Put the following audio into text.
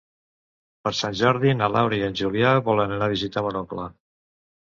Per Sant Jordi na Laura i en Julià volen anar a visitar mon oncle.